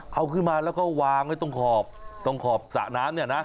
เอาขึ้นมาแล้วก็วางไว้ตรงขอบตรงขอบสระน้ำเนี่ยนะ